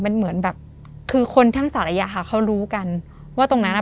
มันเหมือนแบบคือคนทั้งสาระค่ะเขารู้กันว่าตรงนั้นอ่ะ